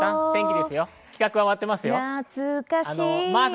企画は終わってますからね。